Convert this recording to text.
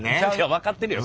分かってるよ